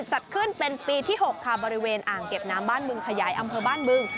จัดขึ้นเป็นปีที่๖ค่ะบริเวณอ่างเก็บน้ำบ้านบึงขยายอำเภอบ้านบึง